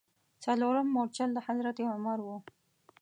څلورم مورچل د حضرت عمر و.